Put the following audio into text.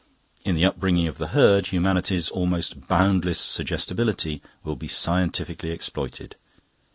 In the upbringing of the Herd, humanity's almost boundless suggestibility will be scientifically exploited.